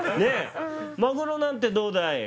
マグロなんてどうだい？